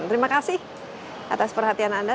terima kasih atas perhatian anda